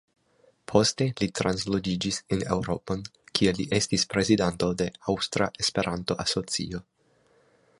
Poste li transloĝiĝis en Eŭropon, kie li estis prezidanto de “Aŭstra Esperanto-Asocio”.